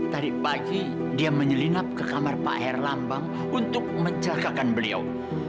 tadi pagi dia menyelinap ke kamar pak erlambang untuk menjagakan beliau